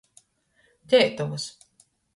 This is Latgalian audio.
Teitovys.